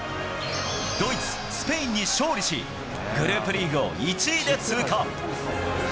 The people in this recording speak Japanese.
ドイツ、スペインに勝利し、グループリーグを１位で通過。